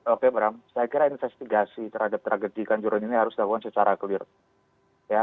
oke bram saya kira investigasi terhadap tragedi kanjuruhan ini harus dilakukan secara clear